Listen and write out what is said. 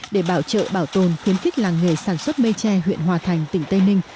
để bảo trợ bảo tồn khuyến khích làng nghề sản xuất mây tre huyện hòa thành tỉnh tây ninh